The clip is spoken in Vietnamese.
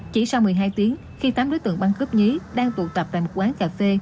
chỉ sau một mươi hai tiếng khi tám đối tượng băng cướp nhí đang tụ tập tại một quán cà phê